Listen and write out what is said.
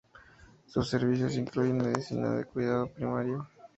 Sus servicios incluyen medicina de cuidado primario.